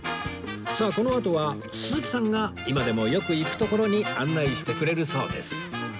さあこのあとは鈴木さんが今でもよく行く所に案内してくれるそうです